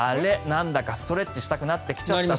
なんだかストレッチしたくなってきちゃった。